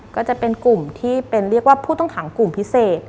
ก็จะเป็นกลุ่มที่เป็นเรียกว่าผู้ต้องขังกลุ่มพิเศษ